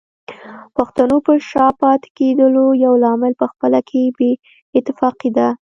پښتنو په شا پاتې کېدلو يو لامل پخپله کې بې اتفاقي ده